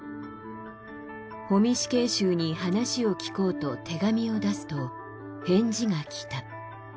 保見死刑囚に話を聞こうと手紙を出すと返事が来た。